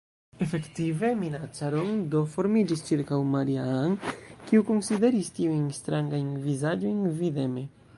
Efektive, minaca rondo formiĝis ĉirkaŭ Maria-Ann, kiu konsideris tiujn strangajn vizaĝojn videme.